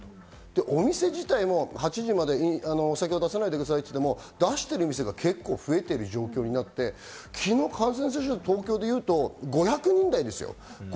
お店自体も８時までお酒は出さないでくださいと言っても出しているお店が結構増えている状況になって、昨日の感染者数、東京で言うと５００人台ですよ。